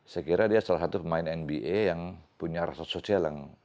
saya kira dia salah satu pemain nba yang punya rasa social yang